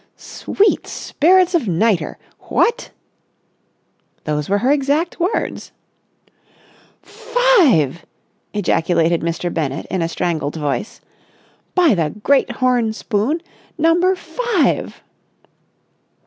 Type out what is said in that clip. "Sweet spirits of nitre! What!" "Those were her exact words." "Five!" ejaculated Mr. Bennett, in a strangled voice. "By the great horn spoon, number five!"